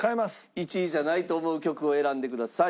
１位じゃないと思う曲を選んでください。